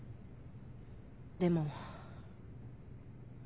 でも。